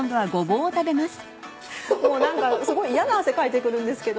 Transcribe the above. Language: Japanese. もう何かすごい嫌な汗かいてくるんですけど。